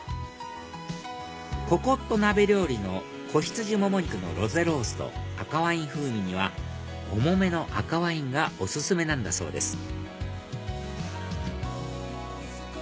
ココット鍋料理の仔羊もも肉のロゼロースト赤ワイン風味には重めの赤ワインがお薦めなんだそうです